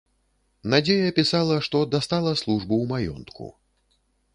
Надзея пісала, што дастала службу ў маёнтку.